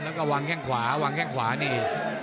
แล้วก็วางแข้งขวาวางแข้งขวานี่